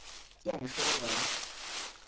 见说文。